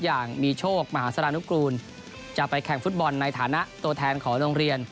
อย่างมีโชคมหาสารนุกูลจะไปแข่งฟุตบอลในฐานะตัวแทนของโรงเรียน